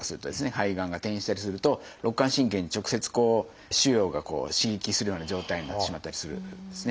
肺がんが転移したりすると肋間神経に直接腫瘍が刺激するような状態になってしまったりするんですね。